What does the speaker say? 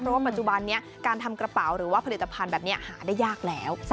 เพราะว่าปัจจุบันนี้การทำกระเป๋าหรือว่าผลิตภัณฑ์แบบนี้หาได้ยากแล้ว